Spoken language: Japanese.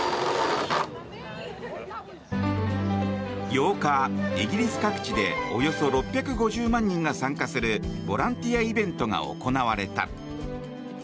８日、イギリス各地でおよそ６５０万人が参加するボランティアイベントが行われた。